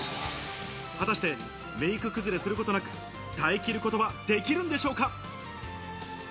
果たしてメイク崩れすることなく耐え切ることはできるんでしょうか？